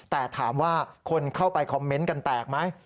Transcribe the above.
แต่ถามว่าคนเข้าไปคอมเมนต์กันแตกไหม